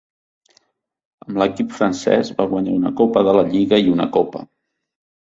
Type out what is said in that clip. Amb l'equip francès va guanyar una Copa de la Lliga i una Copa.